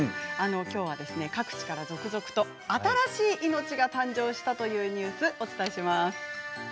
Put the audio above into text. きょうは各地から続々と新しい命が誕生したというニュースをお伝えします。